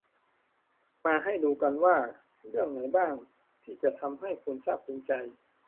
มาให้ดูกันว่า เรื่องไหนบ้างที่จะทำให้คุณซาบซึ้งใจ